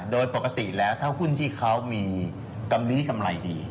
โดยปกติแล้วถ้าหุ้นที่เขามีกำลีกำไรดี